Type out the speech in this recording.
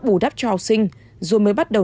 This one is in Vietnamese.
bù đắp cho học sinh rồi mới bắt đầu